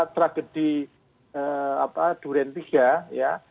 tragedi duren iii ya